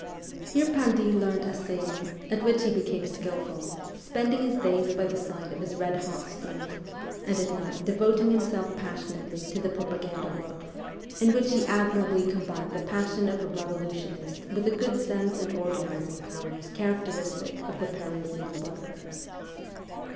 Here Pindy learned assay ing, at which he became skilful ; spending his days by the side of his red hot stove, and at night devoting himself passionately to propaganda work, in which he admirably combined the passion of a revolutionist with the good sense and organizing powers characteristic of the Parisian worker.